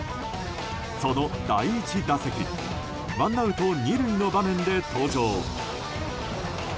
その第１打席ワンアウト２塁の場面で登場。